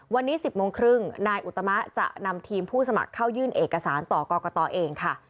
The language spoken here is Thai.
วันนี้๑๐โมงครึ่งนายอุตมะจะนำทีมผู้สมัครเข้ายื่นเอกสารต่อกรกตเองค่ะ